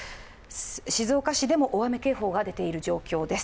静岡市でも大雨警報が出ている状況です。